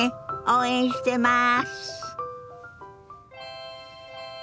応援してます。